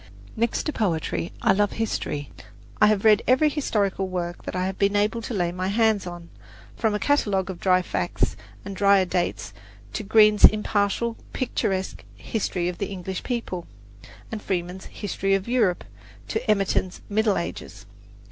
Next to poetry I love history. I have read every historical work that I have been able to lay my hands on, from a catalogue of dry facts and dryer dates to Green's impartial, picturesque "History of the English People"; from Freeman's "History of Europe" to Emerton's "Middle Ages."